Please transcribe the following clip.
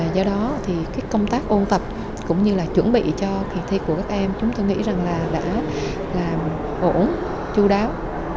do đó thì công tác ôn tập cũng như là chuẩn bị cho kỳ thi của các em chúng tôi nghĩ rằng là đã làm ổn chú đáo